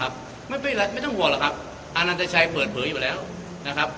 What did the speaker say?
ครับไม่เป็นไรไม่ต้องห่วงหรอกครับอาณาจัยชัยเผิดเผยอยู่แล้วนะครับ